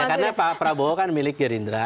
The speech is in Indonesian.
karena pak prabowo kan milik gerindra